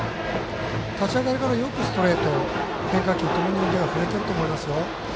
立ち上がりから、よくストレート変化球ともに腕が振れていると思います。